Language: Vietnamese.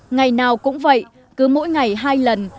ngày nào cũng vậy cứ mỗi ngày hai lần